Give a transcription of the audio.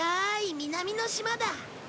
南の島だ。